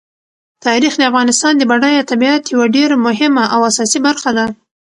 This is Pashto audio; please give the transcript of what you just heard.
تاریخ د افغانستان د بډایه طبیعت یوه ډېره مهمه او اساسي برخه ده.